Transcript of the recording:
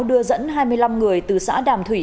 đưa dẫn hai mươi năm người từ xã đàm thủy